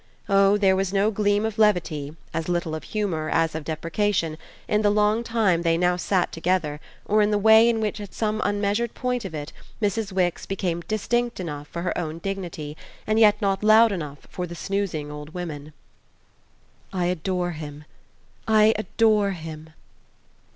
Oh there was no gleam of levity, as little of humour as of deprecation, in the long time they now sat together or in the way in which at some unmeasured point of it Mrs. Wix became distinct enough for her own dignity and yet not loud enough for the snoozing old women. "I adore him. I adore him."